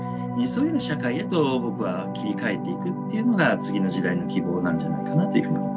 そういうような社会へと僕は切り替えていくっていうのが次の時代の希望なんじゃないかなというふうに思っています。